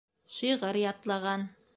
Шиғыр ятлаған.